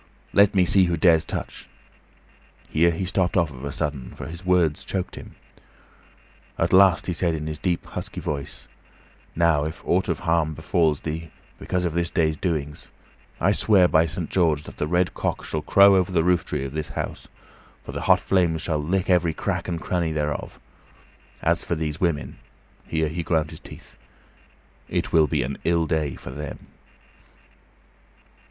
Let me see who dares touch " Here he stopped of a sudden, for his words choked him. At last he said, in a deep, husky voice, "Now, if aught of harm befalls thee because of this day's doings, I swear by Saint George that the red cock shall crow over the rooftree of this house, for the hot flames shall lick every crack and cranny thereof. As for these women" here he ground his teeth "it will be an ill day for them!"